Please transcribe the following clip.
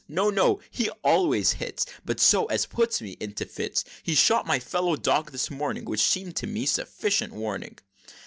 no, no, he always hits, But so as puts me into fits! He shot my fellow dog this morning, Which seemed to me sufficient warning!"